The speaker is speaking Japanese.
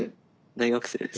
大学生です。